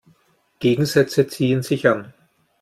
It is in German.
Gegensätze ziehen sich an.